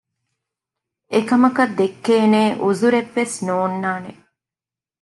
އެކަމަކަށް ދެއްކޭނޭ ޢުޛުރެއް ވެސް ނޯންނާނެ